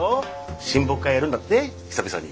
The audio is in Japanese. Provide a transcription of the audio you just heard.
親睦会やるんだって久々に。